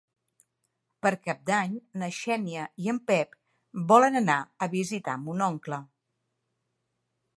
Per Cap d'Any na Xènia i en Pep volen anar a visitar mon oncle.